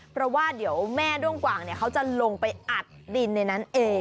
เพราะว่าเดี๋ยวแม่ด้วงกว่างเขาจะลงไปอัดดินในนั้นเอง